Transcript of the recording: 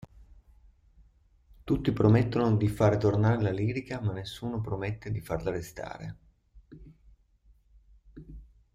Tutti promettono di far tornare la lirica ma nessuno promette di farla restare.